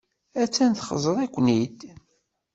Attan txeẓẓer-iken-id.